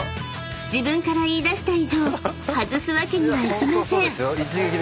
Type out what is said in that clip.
［自分から言い出した以上外すわけにはいきません］